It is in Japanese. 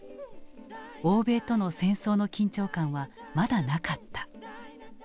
欧米との戦争の緊張感はまだなかった。